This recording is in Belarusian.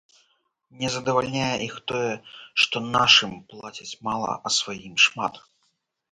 Не задавальняе іх тое, што нашым плацяць мала, а сваім шмат.